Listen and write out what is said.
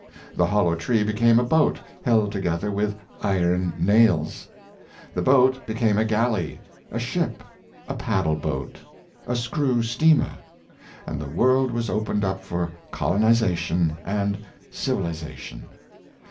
The hollow tree became a boat, held together with iron nails. The boat became a galley, a ship, a paddle boat, a screw steamer, and the world was opened up for colinization and civi lization.